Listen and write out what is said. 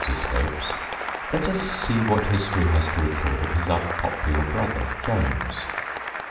's escapes, let us see what history has to record of his unpopular brother James.